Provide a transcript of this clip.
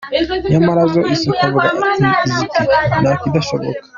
Nyamara zo zikavuga ziti "nta kidashoboka.